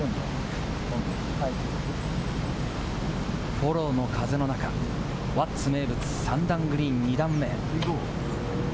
フォローの風の中、輪厚名物、３段グリーンの２段目。